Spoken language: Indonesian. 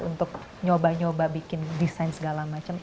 untuk nyoba nyoba bikin desain segala macam